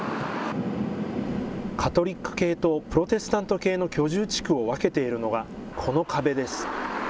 カトリック系とプロテスタント系の居住地区を分けているのがこの壁です。